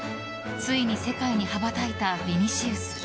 ついに世界に羽ばたいたヴィニシウス。